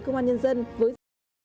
các đơn dân nhân kỷ niệm